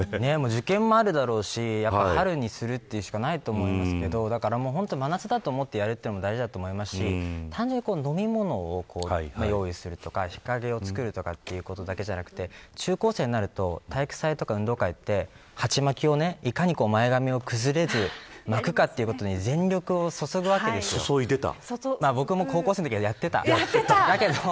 時期もあるだろうし春にするということしかないと思うんですけれどもな真夏だと思ってやるということも大事だと思いますし単純に飲み物を用意するとか日陰をつくるとかだけじゃなくて、中高生になると体育祭とか運動会ってはちまきをいかに前髪を崩れず巻くかということに注いでた。